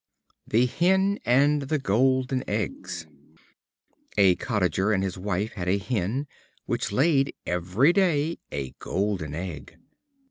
The Hen and the Golden Eggs. A Cottager and his wife had a Hen, which laid every day a golden egg.